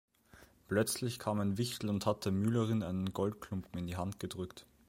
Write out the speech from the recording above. Plötzlich kam ein Wichtel und hat der Müllerin einen Goldklumpen in die Hand gedrückt.